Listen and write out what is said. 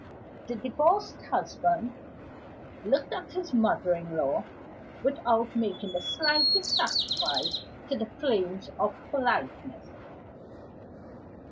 The divorced husband looked at his mother in law without making the slightest sacrifice to the claims of politeness.